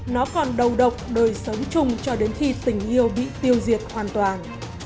nó còn đầu độc đời sống chung cho đến khi tình yêu bị tiêu diệt hoàn toàn